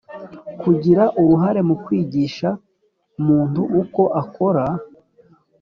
Kugira uruhare mu kwigisha Muntu uko akora